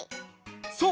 そう！